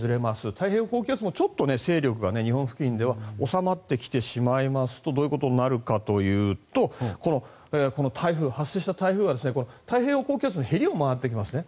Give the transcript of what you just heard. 太平洋高気圧もちょっと勢力が日本付近では収まってきてしまいますとどういうことになるかというとこの発生した台風が太平洋高気圧のへりを回ってきますね。